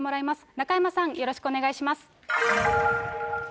中山さん、よろしくお願いします。